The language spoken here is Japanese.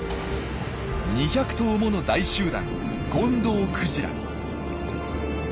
２００頭もの大集団ゴンドウクジラ。